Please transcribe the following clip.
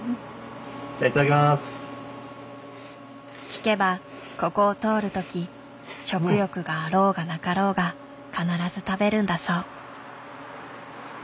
聞けばここを通る時食欲があろうがなかろうが必ず食べるんだそう。